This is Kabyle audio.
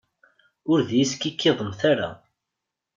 Ur iyi-skikkiḍemt ara!